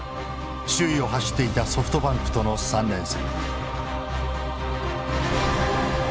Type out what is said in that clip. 首位を走っていたソフトバンクとの３連戦。